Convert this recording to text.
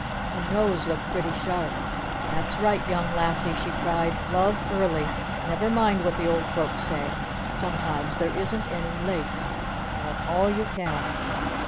Her nose looked pretty sharp. "That's right, Young Lassie!" she cried. "Love early! Never mind what the old folks say! Sometimes there isn't any late! Love all you can!